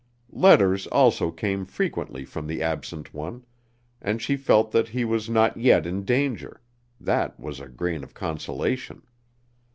Letters also came frequently from the absent one, and she felt that he was not yet in danger that was a grain of consolation.